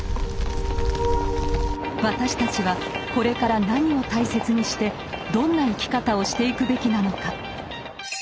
私たちはこれから何を大切にしてどんな生き方をしていくべきなのか。